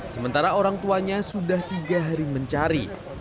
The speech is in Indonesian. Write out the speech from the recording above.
sementara orang tuanya sudah tiga hari mencari